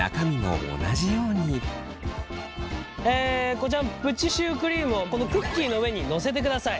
こちらプチシュークリームをこのクッキーの上にのせてください。